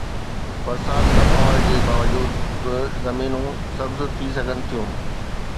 برسات نه پوڻ جي باوجود به زمينون سبز ٿي سگهن ٿيون.